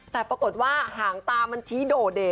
แต่ปรากฏว่าหางตามันชี้โดเด่